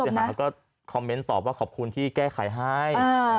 หาเขาก็คอมเมนต์ตอบว่าขอบคุณที่แก้ไขให้